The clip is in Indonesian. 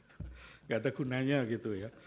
tidak ada gunanya gitu ya